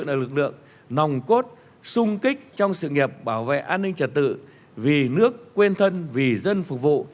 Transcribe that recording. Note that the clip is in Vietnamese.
công an dân là lực lượng nòng cốt sung kích trong sự nghiệp bảo vệ an ninh trật tự vì nước quên thân vì dân phục vụ